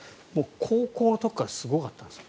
高校の時からすごかったんですね